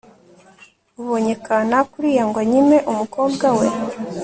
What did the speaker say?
ubonye kanaka uriya ngo anyime umukobwa we